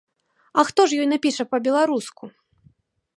А хто ж ёй напіша па-беларуску?